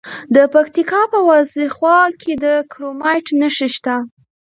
د پکتیکا په وازیخوا کې د کرومایټ نښې شته.